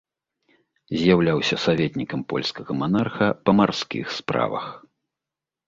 З'яўляўся саветнікам польскага манарха па марскіх справах.